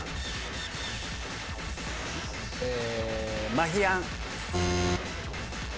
マヒヤン。